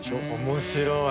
面白い！